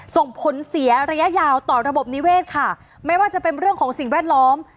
ส่งผลเสียระยะยาวต่อระบบนิเวศค่ะไม่ว่าจะเป็นเรื่องของสิ่งแวดล้อม